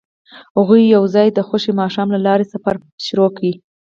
هغوی یوځای د خوښ ماښام له لارې سفر پیل کړ.